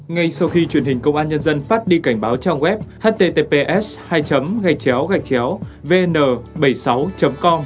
ngay sau khi truyền hình công an nhân dân phát đi cảnh báo trang web https hai gạy chéo gạch chéo vn bảy mươi sáu com